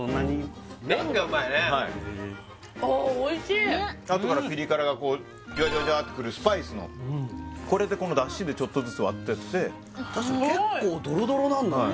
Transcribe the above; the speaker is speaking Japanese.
麺がうまいねはいああおいしいあとからピリ辛がじわじわじわーっとくるスパイスのこれでこの出汁でちょっとずつ割ってって確かに結構ドロドロなんだね